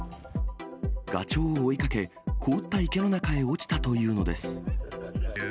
ガチョウを追いかけ、凍った池の中へ落ちたというのです。